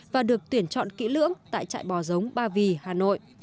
và được tuyển chọn kỹ lưỡng tại trại bò giống ba vì hà nội